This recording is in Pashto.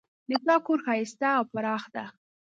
د تا کور ښایسته او پراخ ده